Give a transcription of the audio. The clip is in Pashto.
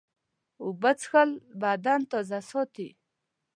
اوبه څښل بدن تازه ساتي.